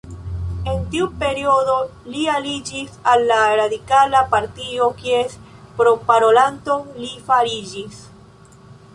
En tiu periodo, li aliĝis al la Radikala Partio, kies proparolanto li fariĝis.